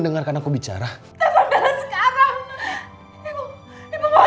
paling baru bisa selesai